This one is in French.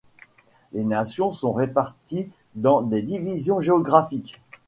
Les nations sont réparties dans des divisions géographiques.